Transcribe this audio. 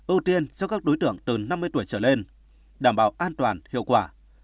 ưu tiên cho các đối tượng từ năm mươi tuổi trở lên đảm bảo an toàn hiệu quả